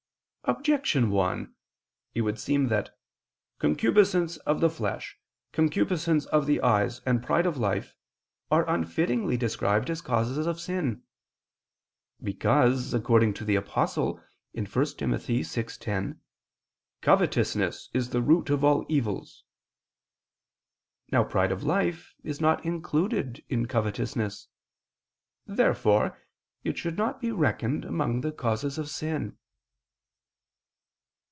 Objection 1: It would seem that "concupiscence of the flesh, concupiscence of the eyes, and pride of life" are unfittingly described as causes of sin. Because, according to the Apostle (1 Tim. 6:10), "covetousness [*Douay: 'The desire of money'] is the root of all evils." Now pride of life is not included in covetousness. Therefore it should not be reckoned among the causes of sin.